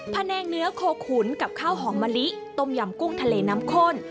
แนงเนื้อโคขุนกับข้าวหอมมะลิต้มยำกุ้งทะเลน้ำข้น